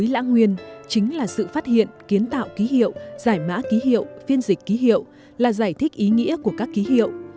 lã nguyên chính là sự phát hiện kiến tạo ký hiệu giải mã ký hiệu phiên dịch ký hiệu là giải thích ý nghĩa của các ký hiệu